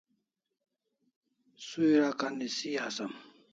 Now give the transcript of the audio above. Suiraka nisi asam